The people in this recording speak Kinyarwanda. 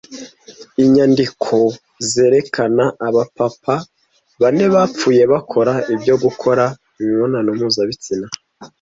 Inyandiko zerekana abapapa bane bapfuye bakora ibyo Gukora Imibonano mpuzabitsina